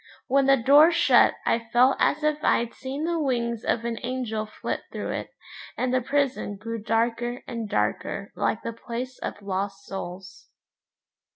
When the door shut I felt as if I'd seen the wings of an angel flit through it, and the prison grew darker and darker like the place of lost souls.